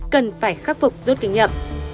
cần phải khắc phục rút kinh nghiệm